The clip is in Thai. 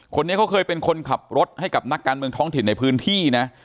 คนนี้เขาเคยเป็นคนขับรถให้กับนักการเมืองท้องถิ่นในพื้นที่นะ